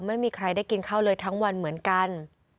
ไม่มีใครได้กินข้าวเลยทั้งวันเหมือนกัน